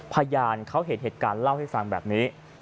พยานเขาเห็นเหตุการณ์เล่าให้ฟังแบบนี้